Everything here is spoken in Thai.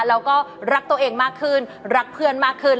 แล้วก็รักตัวเองมากขึ้นรักเพื่อนมากขึ้น